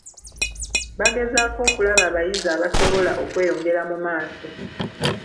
Bagezaako okulaba abayizi abasobola okweyongera mu maaso .